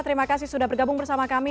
terima kasih sudah bergabung bersama kami